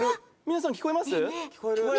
皆さん聞こえます？